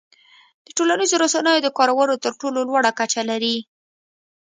د ټولنیزو رسنیو د کارولو تر ټولو لوړه کچه لري.